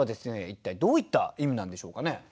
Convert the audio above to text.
一体どういった意味なんでしょうかね？